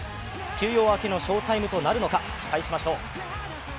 休養明けの翔タイムとなるのか期待しましょう。